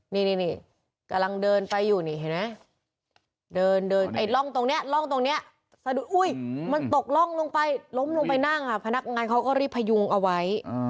เดินเดินกำลังเดินไปอยู่นะเมะเดินไอร่องตรงนี้ลองตรงเนี้ยเรื่อยมันตกล้องลงไปล้อมลงไปนั่งพนักงานเขาก็รีบพยุงเอาไว้